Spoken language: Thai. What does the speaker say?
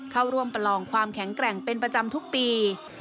เข้าร่วมประลองความแข็งแกร่งเป็นประจำทุกปี